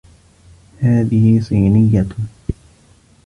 هذه صينيّة.